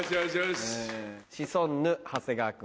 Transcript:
シソンヌ・長谷川君。